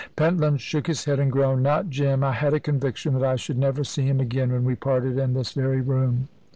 Pentland shook his head, and groaned. "Not Jim. I had a conviction that I should never see him again when we parted in this very room."